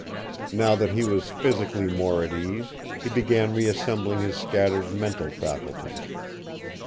Now that he was physically more at ease, he began reassembling his scattered mental faculties.